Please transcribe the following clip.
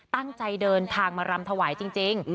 ตั้งใจเดินทางมารำถวายจริง